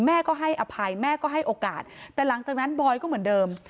แม่ก็ให้อภัยแม่ก็ให้โอกาสแต่หลังจากนั้นบอยก็เหมือนเดิม